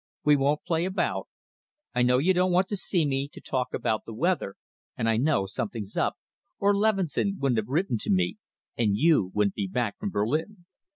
We won't play about. I know you don't want to see me to talk about the weather, and I know something's up, or Leveson wouldn't have written to me, and you wouldn't be back from Berlin.